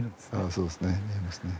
そうですね見えますね。